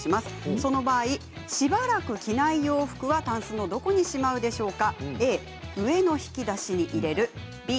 その場合、しばらく着ない洋服はたんすのどこにしまうでしょうか。